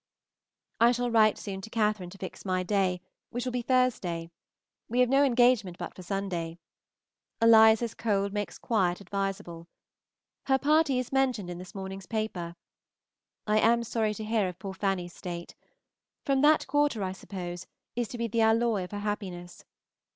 I shall write soon to Catherine to fix my day, which will be Thursday. We have no engagement but for Sunday. Eliza's cold makes quiet advisable. Her party is mentioned in this morning's paper. I am sorry to hear of poor Fanny's state. From that quarter, I suppose, is to be the alloy of her happiness.